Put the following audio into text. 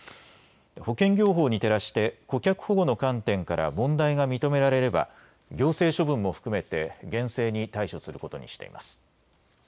保険業法に照らして顧客保護の観点から問題が認められれば行政処分も含めて厳正に対処することにしています。